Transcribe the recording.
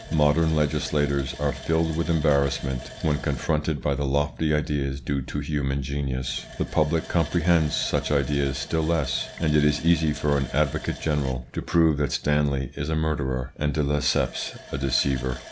... Modern legislators are filled with embarrassment when confronted by the lofty ideas due to human genius; the public comprehends such ideas still less, and it is easy for an advocate general to prove that Stanley is a murderer and de Lesseps a deceiver."